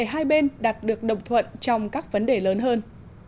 hai bên đạt được đồng thuận trong các vấn đề lớn hơn